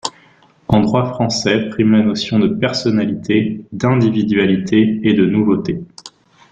En droit français, prime la notion de personnalité, d'individualité et de nouveauté.